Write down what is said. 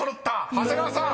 ［長谷川さん